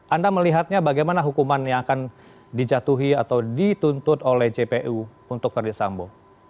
anda melihatnya bagaimana hukumannya akan dijatuhi atau dituntut oleh jpu untuk ferdis sambu